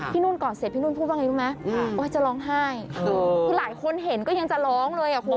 นุ่นกอดเสร็จพี่นุ่นพูดว่าไงรู้ไหมจะร้องไห้คือหลายคนเห็นก็ยังจะร้องเลยอ่ะคุณ